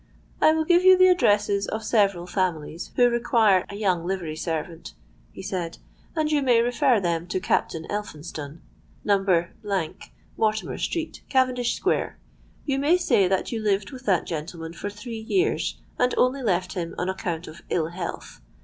'I will give you the addresses of several families who require a young livery servant,' he said; 'and you may refer them to Captain Elphinstone, No.—, Mortimer Street, Cavendish Square. You may say that you lived with that gentleman for three years, and only left him on account of ill health.